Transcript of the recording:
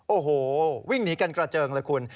โอ้โหวิ่งหนีกันกระเจิงเลยคุณ